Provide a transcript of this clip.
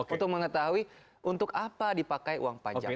untuk mengetahui untuk apa dipakai uang pajak